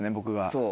そう。